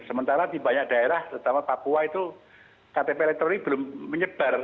sementara di banyak daerah terutama papua itu ktp elektronik belum menyebar